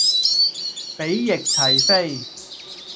比翼齊飛